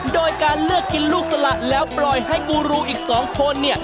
โดยการเลือกกินลูกสละแล้วปล่อยให้กูรูอีก๒คน